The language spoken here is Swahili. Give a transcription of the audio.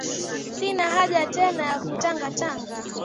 Sina haja tena ya kutanga-tanga,